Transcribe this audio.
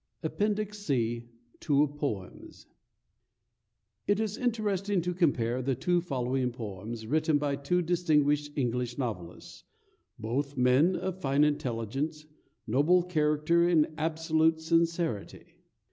APPENDIX C TWO POEMS It is interesting to compare the two following poems, written by two distinguished English novelists, both men of fine intelligence, noble character, and absolute sincerity.